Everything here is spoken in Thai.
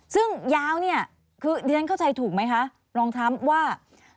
ซึ่งยาวเนี่ยคือดิฉันเข้าใจถูกไหมคะลองถามว่า